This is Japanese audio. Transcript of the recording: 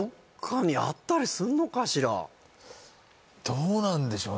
どうなんでしょうね